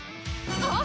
あっ！